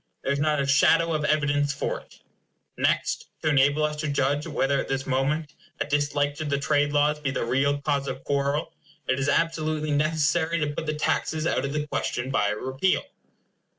There is not a shadow of evidence for it. Next, to enable us to judge whether at this moment a dislike to the trade laws be the real cause of quarrel, it is absolutely necessary to put the taxes out of the question by a repeal.